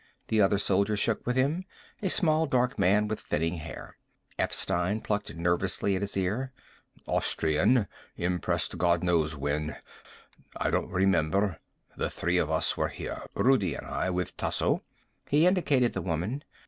The other soldier shook with him, a small dark man with thinning hair. Epstein plucked nervously at his ear. "Austrian. Impressed God knows when. I don't remember. The three of us were here, Rudi and I, with Tasso." He indicated the woman.